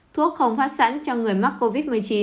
thuốc không phát sẵn cho người mắc covid một mươi chín